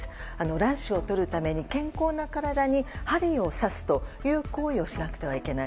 卵子をとるために健康な体に針を刺すという行為をしなくてはいけない。